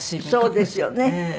そうですよね。